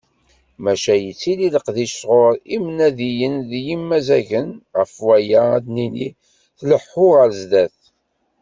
Maca yettili leqdic sɣur imnadiyen d yimazzagen, ɣef waya ad d-nini tleḥḥu ɣer sdat.